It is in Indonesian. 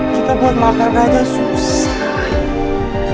kita buat makan aja susah